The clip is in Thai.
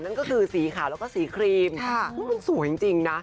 นั่นก็คือสีขาวแล้วก็สีครีมมันสวยจริงนะ